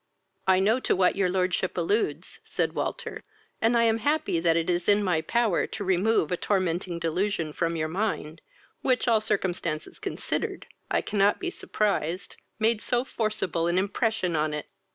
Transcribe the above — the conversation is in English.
"I know to what your lordship alludes, (said Walter,) and I am happy that it is in my power to remove a tormenting delusion from your mind, which, all circumstances considered, I cannot be surprised, made so forcible an impression on it.